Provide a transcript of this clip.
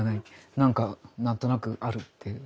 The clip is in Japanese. なんか何となくあるっていう。